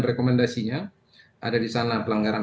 rekomendasinya ada di sana pelanggaran